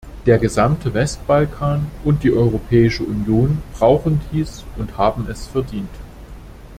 Der gesamte Westbalkan und die Europäische Union brauchen dies und haben es verdient.